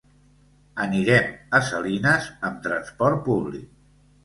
Anirem a Salines amb transport públic.